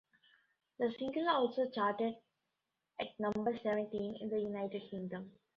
The single also charted at number seventeen in the United Kingdom.